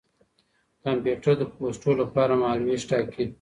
کمپيوټر د پوسټو له پاره مهالوېش ټاکي.